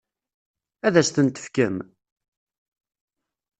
Ad as-ten-tefkem?